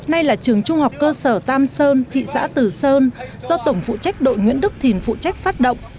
nay là trường trung học cơ sở tam sơn thị xã tử sơn do tổng phụ trách đội nguyễn đức thìn phụ trách phát động